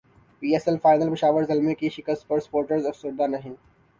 پی S L final Peshawar Zalmi کی شکست پر سپورٹرز افسردہ نہیں